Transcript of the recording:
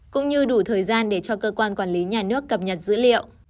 cũng như đủ thời gian để cho cơ quan quản lý nhà nước cập nhật dữ liệu